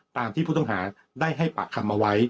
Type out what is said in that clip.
ตามที่ผู้ต้องหาได้ให้ปากคำเอาไว้